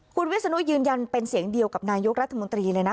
คุณวิศนุยืนยันเป็นเสียงเดียวกับนายกรัฐมนตรีเลยนะ